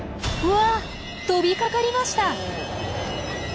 飛びかかりました。